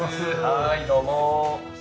はいどうも。